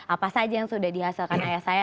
apa saja yang sudah dihasilkan ayah saya